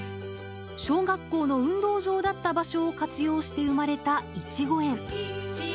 小学校の運動場だった場所を活用して生まれた、いちご園。